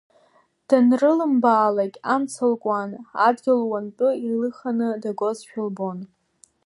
Данрыллымбаалак амца лкуан, адгьыл луантәы илыханы дагозшәа лбон…